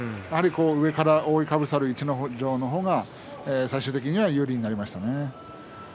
上から覆いかぶさるような逸ノ城の方が最終的には有利になりましたね。